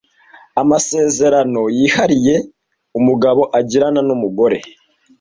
amasezerano yihariye umugabo agirana n’umugore,